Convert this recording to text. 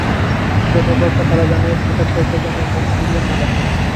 যে ব্যাপারটা তারা জানে, সেটা থেকে যেন মুখ ফিরিয়ে না রাখে।